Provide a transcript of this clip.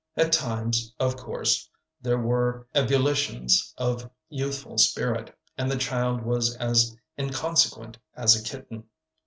At times, of course, there were ebullitions of youthful spirit, and the child was as inconsequent as a kitten.